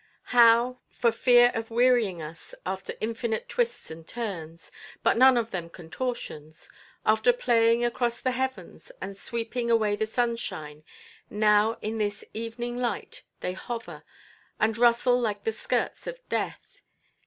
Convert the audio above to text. How, for fear of wearying us, after infinite twists and turns—but none of them contortions—after playing across the heavens, and sweeping away the sunshine, now in this evening light they hover, and rustle like the skirts of death.